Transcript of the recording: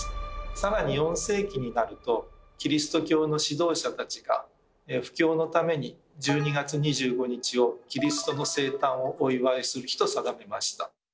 更に４世紀になるとキリスト教の指導者たちが布教のために１２月２５日をキリストの生誕をお祝いする日と定めました。